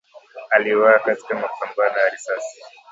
aliuawa katika mapambano ya risasi